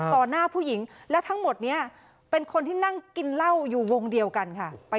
หน้าผู้หญิงและทั้งหมดนี้เป็นคนที่นั่งกินเหล้าอยู่วงเดียวกันค่ะ